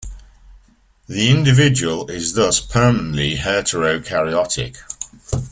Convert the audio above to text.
The individual is thus permanently heterokaryotic.